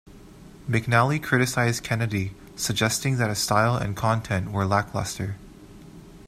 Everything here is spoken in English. McNally criticised Kennedy, suggesting that his style and content were lacklustre.